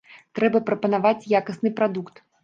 Трэба прапанаваць якасны прадукт.